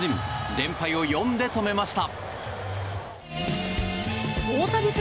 連敗を４で止めました。